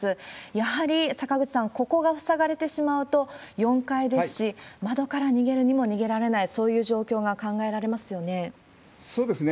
やはり坂口さん、ここが塞がれてしまうと、４階ですし、窓から逃げるにも逃げられない、そういう状況が考えられますよね。